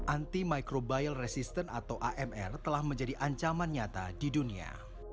antimicrobial resistance atau amr telah menjadi ancaman nyata di dunia